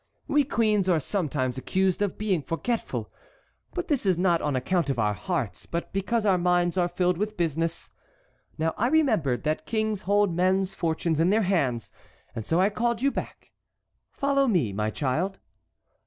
We queens are sometimes accused of being forgetful. But this is not on account of our hearts, but because our minds are filled with business. Now I remembered that kings hold men's fortunes in their hands, and so I called you back. Follow me, my child."